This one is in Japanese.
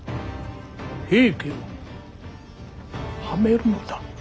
平家をはめるのだ。